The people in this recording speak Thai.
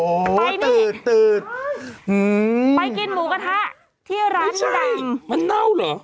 โอ้โฮตืดไปเห็นไปกินหมูกระทะที่ร้านดั่งไม่ใช่มันเน่าเหรอ